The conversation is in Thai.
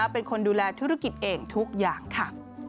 เป็นคนดูแลธุรกิจเองทุกอย่างค่ะ